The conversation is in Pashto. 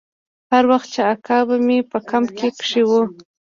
هر وخت چې اکا به مې په کمپ کښې و.